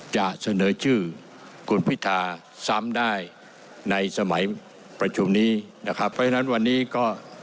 จะเสนอชื่อคุณพิธาซ้ำได้ในสมัยประชุมนี้นะครับเพราะฉะนั้นวันนี้ก็